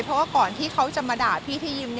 เพราะว่าก่อนที่เขาจะมาด่าพี่ที่ยิม